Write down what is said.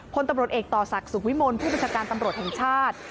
พลตำรวจเอกต่อศักดิ์สุขวิมลผู้บัญชาการตำรวจแห่งชาติ